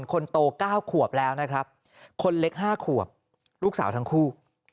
คนโต๙ขวบแล้วนะครับคนเล็ก๕ขวบลูกสาวทั้งคู่